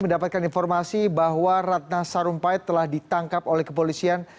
mendapatkan informasi bahwa ratna sarumpait telah ditangkap oleh kepolisian